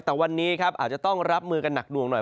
แต่วันนี้ครับอาจจะต้องรับมือกันหนักหน่วงหน่อย